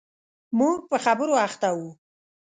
موږ په خبرو اخته و.